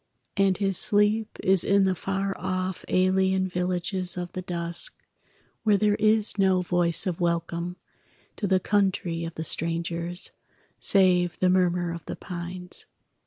And his sleep is in the far off Alien villages of the dusk, Where there is no voice of welcome To the country of the strangers, Save the murmur of the pines.